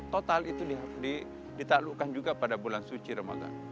total itu ditalukan juga pada bulan suci ramadan